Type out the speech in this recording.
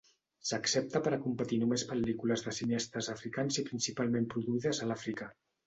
S'accepta per a competir només pel·lícules de cineastes africans i principalment produïdes a l'Àfrica.